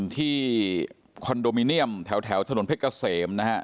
คอนโดมิเนียมแถวถนนเพชรเกษมนะฮะ